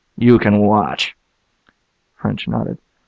You can watch." French nodded.